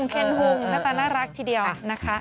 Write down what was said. เคนฮุงหน้าตาน่ารักทีเดียวนะคะ